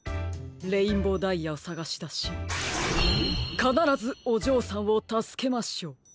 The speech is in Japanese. レインボーダイヤをさがしだしかならずおじょうさんをたすけましょう。